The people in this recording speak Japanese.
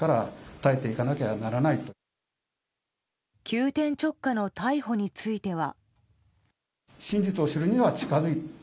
急転直下の逮捕については。